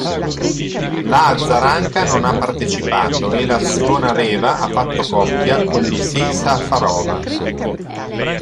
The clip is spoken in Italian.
La Azaranka non ha partecipato e la Zvonarëva ha fatto coppia con Lucie Šafářová.